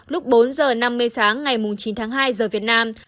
lúc bốn giờ năm mươi sáng ngày chín tháng hai giờ việt nam